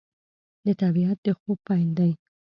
د طبیعت د خوب پیل دی